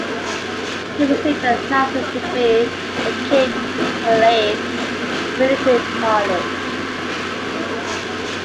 He received a master's degree at King Khalid Military College.